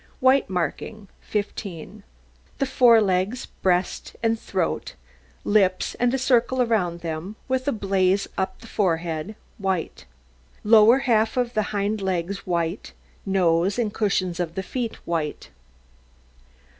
WHITE MARKING 15 The fore legs, breast, throat, lips and a circle round them, with a blaze up the forehead, white; lower half of the hind legs white, nose and cushions of the feet white.